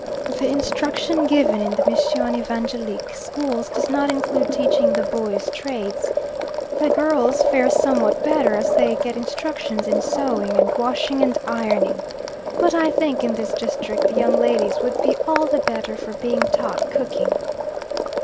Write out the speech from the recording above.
The instruction given in the Mission Evangelique Schools does not include teaching the boys trades. The girls fare somewhat better, as they get instruction in sewing and washing and ironing, but I think in this district the young ladies would be all the better for being taught cooking.